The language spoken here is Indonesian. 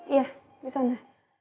iya di sana